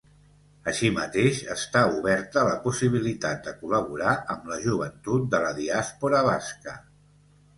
Així mateix, està oberta la possibilitat de col·laborar amb la joventut de la diàspora basca.